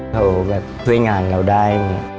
เราแบบช่วยงานเราได้